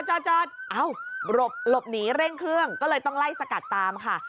จอดเอ้าหลบหนีเร่งเครื่องก็เลยต้องไล่สกัดตามค่ะ